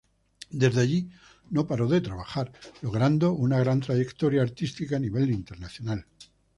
Desde allí no paró de trabajar, logrando una gran trayectoria artística a nivel internacional.